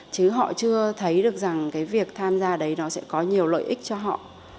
chứ họ chưa thấy được rằng cái việc tham gia đấy nó sẽ có nhiều lợi ích cho họ